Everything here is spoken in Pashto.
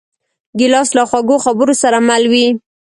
ګیلاس له خوږو خبرو سره مل وي.